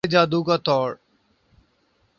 کالے جادو کا توڑ